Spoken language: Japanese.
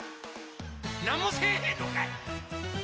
なんもせへんのかいっ！